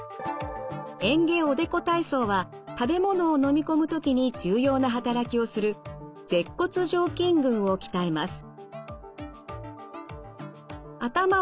嚥下おでこ体操は食べ物をのみ込む時に重要な働きをする舌骨上筋群を鍛えます。